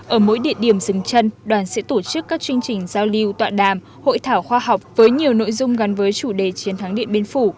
ở mỗi địa điểm dừng chân đoàn sẽ tổ chức các chương trình giao lưu tọa đàm hội thảo khoa học với nhiều nội dung gắn với chủ đề chiến thắng điện biên phủ